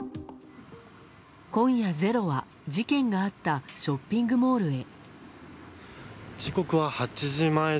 今夜、「ｚｅｒｏ」は事件があったショッピングモールへ。